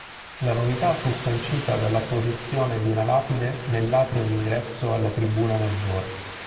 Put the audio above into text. La novità fu sancita dall'apposizione di una lapide nell’atrio d’ingresso alla tribuna maggiore.